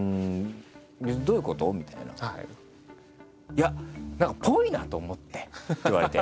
「いや何かぽいなと思って」って言われて。